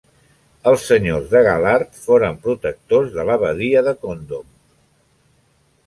Els senyors de Galard foren protectors de l'abadia de Condom.